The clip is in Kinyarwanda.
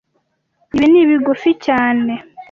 Ibi ni bigufi cyane